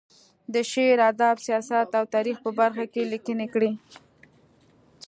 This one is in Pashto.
د شعر، ادب، سیاست او تاریخ په برخه کې یې لیکنې کړې.